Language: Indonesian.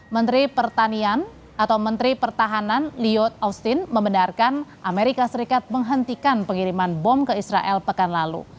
menteri pertanian atau menteri pertahanan liot austin membenarkan amerika serikat menghentikan pengiriman bom ke israel pekan lalu